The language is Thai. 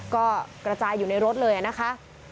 ก็กระจายอยู่ในรถเลยนะคะ